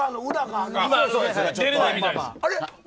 出れないみたいです。